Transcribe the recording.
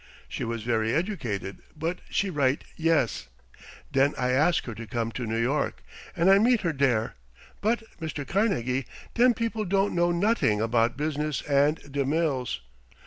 She was very educated, but she write yes. Den I ask her to come to New York, and I meet her dere, but, Mr. Carnegie, dem people don't know noting about business and de mills.